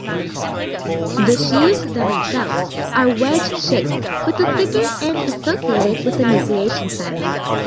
The sheaves themselves are wedge-shaped with the thicker end associated with the nucleation site.